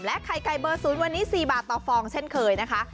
ไข่ไก่เบอร์๐วันนี้๔บาทต่อฟองเช่นเคยนะคะ